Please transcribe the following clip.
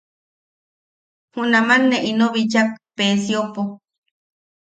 Junaman ne ino bichak Peesiopo.